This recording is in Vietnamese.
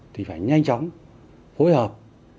thì phải nhanh chóng phối hợp